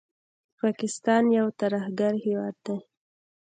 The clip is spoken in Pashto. پاکستان یو ترهګر هیواد دي